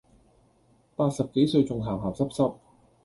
八十幾歲仲咸咸濕濕